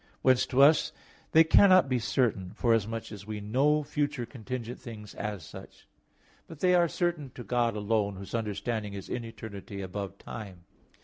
Whence to us they cannot be certain, forasmuch as we know future contingent things as such; but (they are certain) to God alone, whose understanding is in eternity above time.